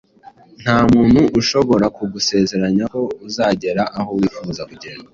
Nta muntu ushobora kugusezeranya ko uzagera aho wifuza kugera